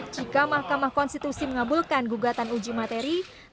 jika mahkamah konstitusi mengabulkan gugatan tersebut